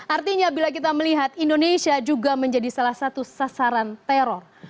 artinya bila kita melihat indonesia juga menjadi salah satu sasaran teror